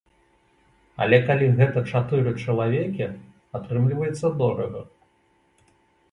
Але калі гэта чатыры чалавекі, атрымліваецца дорага.